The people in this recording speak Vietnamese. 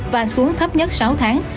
và xuống thấp nhất sáu tháng